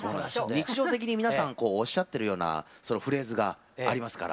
日常的に皆さんこうおっしゃってるようなそのフレーズがありますから。